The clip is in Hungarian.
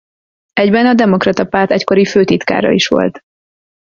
Egyben a Demokrata Párt egykori főtitkára is volt.